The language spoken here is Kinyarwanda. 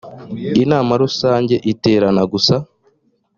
inama rusange iterana gusa